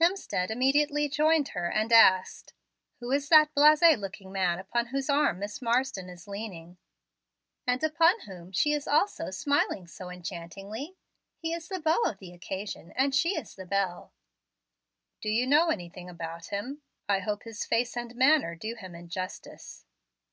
Hemstead immediately joined her and asked, "Who is that blase looking man upon whose arm Miss Marsden is leaning?" "And upon whom she is also smiling so enchantingly? He is the beau of the occasion, and she is the belle." "Do you know anything about him? I hope his face and manner do him injustice."